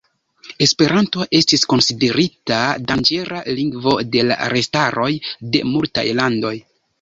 Esperanto estis konsiderita "danĝera lingvo" de la registaroj de multaj landoj.